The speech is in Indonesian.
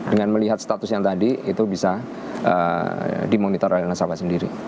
dengan melihat status yang tadi itu bisa dimonitor oleh nasabah sendiri